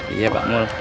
iya pak mul